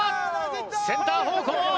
センター方向！